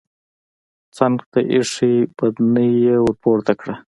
څنګ ته ايښی بدنۍ يې ورپورته کړه.